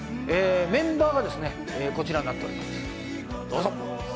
メンバーがこちらになっております、どうぞ。